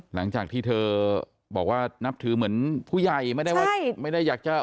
หลังจากที่เธอบอกว่านับถือเหมือนผู้ใหญ่ไม่ได้อยากจะโอเคพบหาอะไรด้วย